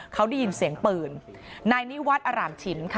เขาได้ยินเสียงปืนนายนิวัตรอร่ามชิมค่ะ